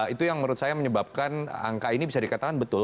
itu yang menurut saya menyebabkan angka ini bisa dikatakan betul